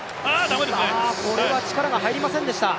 これは力が入りませんでした。